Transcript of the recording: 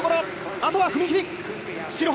あとは踏み切り、白旗。